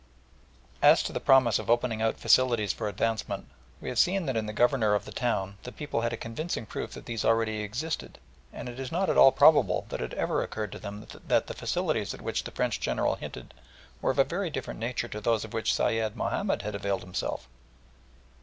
As to the promise of opening out facilities for advancement, we have seen that in the Governor of the town the people had a convincing proof that these already existed, and it is not at all probable that it ever occurred to them that the facilities at which the French General hinted were of a very different nature to those of which Sayed Mahomed had availed himself.